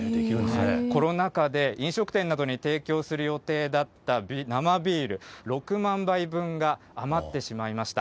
コロナ禍で飲食店などに提供する予定だった生ビール、６万杯分が余ってしまいました。